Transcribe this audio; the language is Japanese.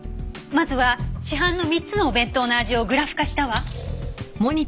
まずは市販の３つのお弁当の味をグラフ化したわ。